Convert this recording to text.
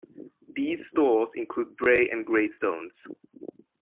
These stores include Bray and Greystones.